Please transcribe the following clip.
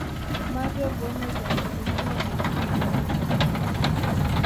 mario gomez wa ujerumani alifunga mabao matatu